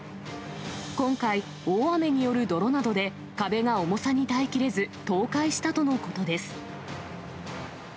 今回、大雨による泥などで、壁が重さに耐えきれず、倒壊したとのことです。